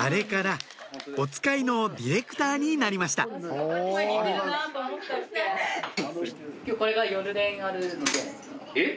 あれから『おつかい』のディレクターになりました・似てるなと思った・えっ？